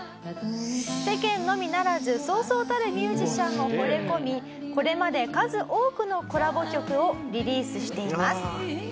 世間のみならずそうそうたるミュージシャンも惚れ込みこれまで数多くのコラボ曲をリリースしています。